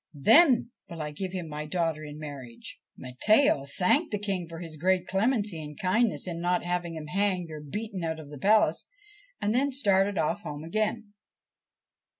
Then will I give him my daughter in marriage.' Matteo thanked the King for his great clemency and kindness in not having him hanged or beaten out of the palace, and then started off home again.